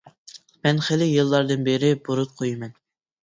مەن خېلى يىللاردىن بېرى بۇرۇت قۇيىمەن.